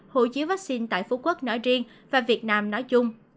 hộ chiếu vắc xin tại phú quốc nói riêng và việt nam nói chung